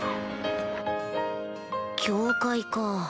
教会か